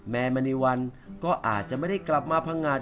มณีวันก็อาจจะไม่ได้กลับมาพังงาด